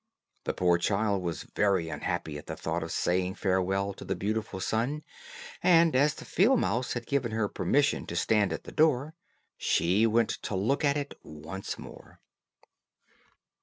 The poor child was very unhappy at the thought of saying farewell to the beautiful sun, and as the field mouse had given her permission to stand at the door, she went to look at it once more.